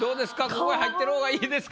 ここへ入ってる方がいいですか？